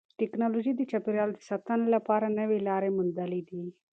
تکنالوژي د چاپیریال د ساتنې لپاره نوې لارې موندلې دي.